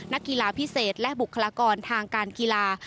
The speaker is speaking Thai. นักกีฬาพิเศษและบุคลากรทางการกีฬา